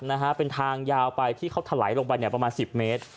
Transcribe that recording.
นะฮะเป็นทางยาวไปที่เขาถลายลงไปเนี่ยประมาณสิบเมตร